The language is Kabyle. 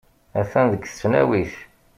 Atan deg tesnawit.